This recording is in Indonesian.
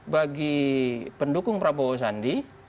bagi pendukung prabowo sandi